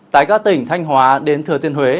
tại các tỉnh thanh hóa đến thừa tiên huế